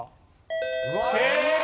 正解！